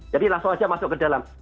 jadi langsung aja masuk ke dalam